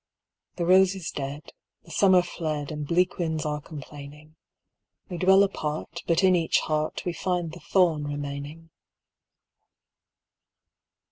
The rose is dead, the summer fled, And bleak winds are complaining; We dwell apart, but in each heart We find the thorn remaining.